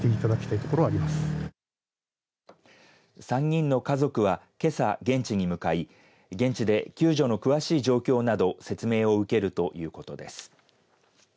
３人の家族は、けさ現地に向かい現地で救助の詳しい状況など説明を受けるということです。